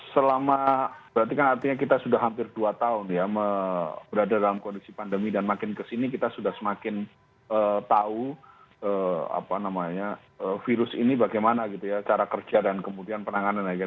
selama berarti kan artinya kita sudah hampir dua tahun ya berada dalam kondisi pandemi dan makin kesini kita sudah semakin tahu apa namanya virus ini bagaimana gitu ya cara kerja dan kemudian penanganan